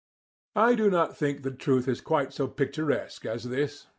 I do not think the truth is quite so picturesque as this.